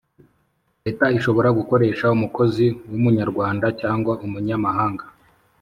Leta ishobora gukoresha umukozi w’ umunyarwanda cyangwa umunyamahanga